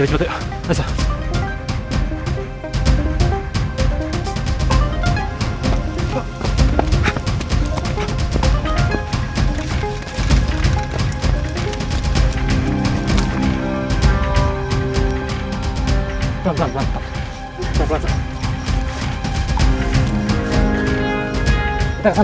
selamat malam mas